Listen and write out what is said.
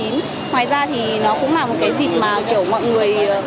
ngoài ra thì nó cũng là một cái dịp mà kiểu mọi người